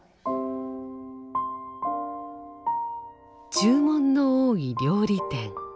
「注文の多い料理店」。